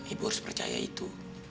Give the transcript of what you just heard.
ibu harus percaya itu